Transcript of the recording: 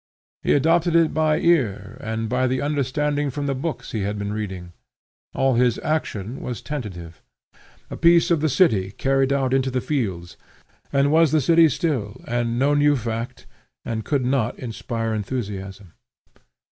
He adopted it by ear and by the understanding from the books he had been reading. All his action was tentative, a piece of the city carried out into the fields, and was the city still, and no new fact, and could not inspire enthusiasm.